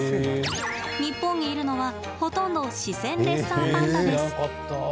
日本にいるのは、ほとんどシセンレッサーパンダです。